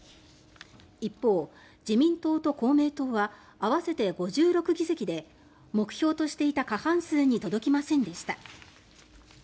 一方、自民党と公明党は合わせて５６議席で目標としていた過半数に届きませんでした。